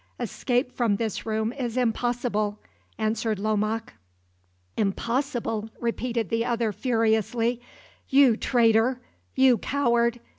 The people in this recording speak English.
Escape from this room is impossible," answered Lomaque. "Impossible!" repeated the other, furiously. "You traitor! you coward!